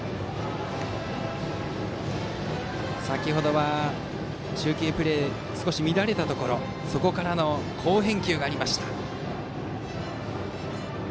先程は中継プレーが少し乱れましたがそこからの好返球がありました。